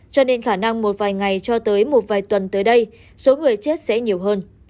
cho nên khả năng một vài ngày cho tới một vài tuần tới đây số người chết sẽ nhiều hơn